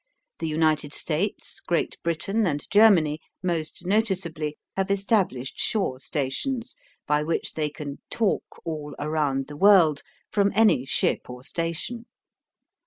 The United States, Great Britain, and Germany, most noticeably, have established shore stations, by which they can "talk all around the world" from any ship or station.